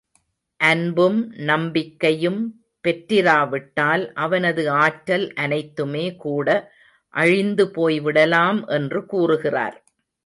அன்பும், நம்பிக்கையும் பெற்றிராவிட்டால் அவனது ஆற்றல் அனைத்துமே கூட அழிந்து போய்விடலாம் என்று கூறுகிறார்.